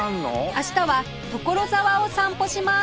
明日は所沢を散歩します